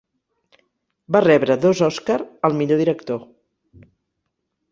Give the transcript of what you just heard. Va rebre dos Oscar al millor director.